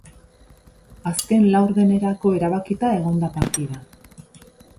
Azken laurdenerako erabakita egon da partida.